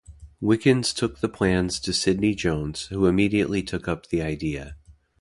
Wickens took the plans to Sydney Jones, who immediately took up the idea.